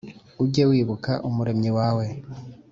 Ujye wibuka Umuremyi wawe